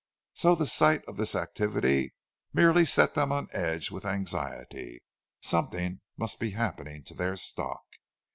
So the sight of this activity merely set them on edge with anxiety—something must be happening to their stock!